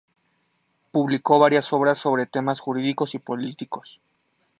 Publicó varias obras sobre temas jurídicos y políticos.